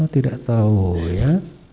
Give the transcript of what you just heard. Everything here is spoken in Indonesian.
tidak tahu ya